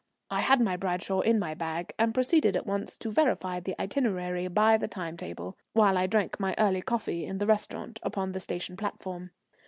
I had my Bradshaw in my bag, and proceeded at once to verify the itinerary by the time table, while I drank my early coffee in the restaurant upon the station platform.